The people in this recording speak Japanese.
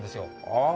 ああ。